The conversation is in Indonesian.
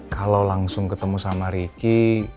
kalau langsung ketemu sama ricky